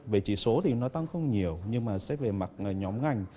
về chỉ số thì nó tăng không nhiều nhưng mà xét về mặt nhóm ngành